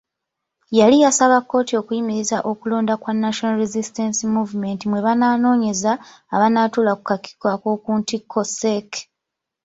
Yali yasaba kkooti okuyimiriza okulonda kwa National Resistance Movement mwe banoonyeza abanatuula ku kakiiko ak’okuntikko CEC.